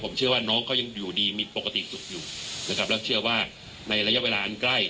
ผมเชื่อว่าน้องเขายังอยู่ดีมีปกติสุขอยู่นะครับแล้วเชื่อว่าในระยะเวลาอันใกล้